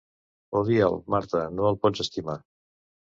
Odia'l, Marta, no el pots estimar.